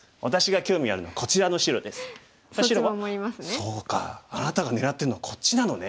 「そうかあなたが狙ってるのはこっちなのね」。